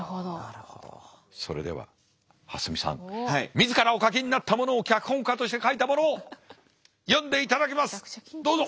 自らお書きになったものを脚本家として書いたものを読んでいただきますどうぞ！